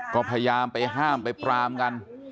ก็พยายามไปห้ามไปปรามกัน